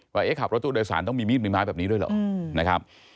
ว่าขับรถตู้โดยสารต้องมีมีดมีไม้แบบนี้ด้วยเหรอนะครับ